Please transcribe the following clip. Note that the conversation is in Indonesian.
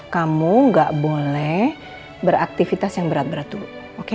kamu gak boleh beraktivitas yang berat berat dulu